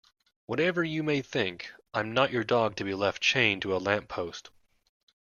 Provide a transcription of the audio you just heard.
Whatever you may think I'm not your dog to be left chained to a lamppost.